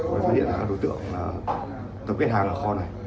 mới hiện ra các đối tượng tập kết hàng ở kho này